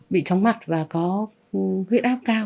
bị tróng mặt và có huyết áp cao